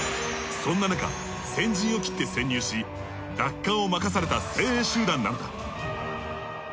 そんななか先陣を切って潜入し奪還を任された精鋭集団なのだ。